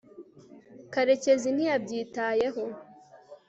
karekezi ntiyabyitayeho